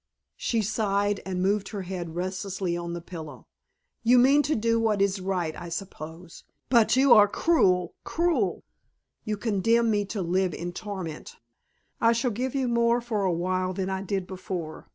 She sighed and moved her head restlessly on the pillow. "You mean to do what is right, I suppose. But you are cruel, cruel. You condemn me to live in torment." "I shall give you more for a while than I did before.